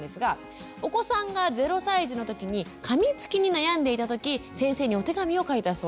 お子さんが０歳児の時にかみつきに悩んでいた時先生にお手紙を書いたそう。